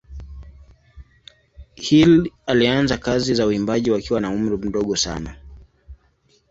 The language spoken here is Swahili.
Hill alianza kazi za uimbaji wakiwa na umri mdogo sana.